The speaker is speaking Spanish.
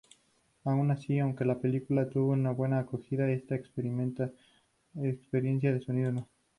Aun así, aunque la película tuvo una buena acogida, esta experiencia de sonido no.